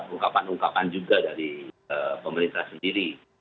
ungkapan ungkapan juga dari pemerintah sendiri